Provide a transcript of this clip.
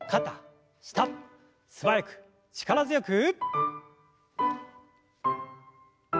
素早く力強く。